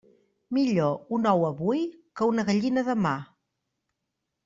Millor un ou avui que una gallina demà.